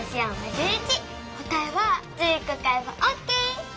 答えは１１こ買えばオッケー！